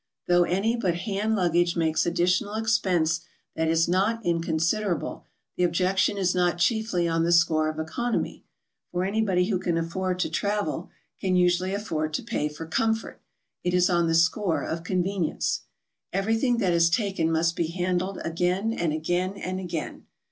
Though any but hand luggage makes additional expense that is not inconsiderable, the objection is not chiefly on the score of economy, for anybody who can afford to travel, can usually afford to pay for comfort; it is on the score of convenience. Everything that is taken must be handled again an'd again and again.